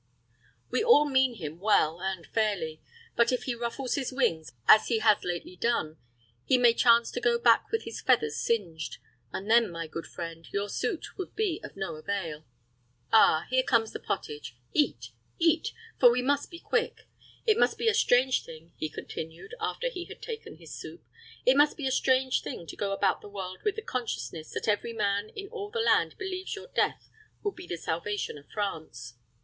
We all mean him well, and fairly; but if he ruffles his wings as he has lately done, he may chance to go back with his feathers singed; and then, my good friend, your suit would be of no avail. Ah, here comes the pottage. Eat, eat; for we must be quick. It must be a strange thing," he continued, after he had taken his soup; "it must be a strange thing to go about the world with the consciousness that every man in all the land believes your death would be the salvation of France!